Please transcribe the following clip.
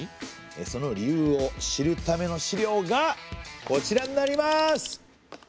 その理由を知るための資料がこちらになります。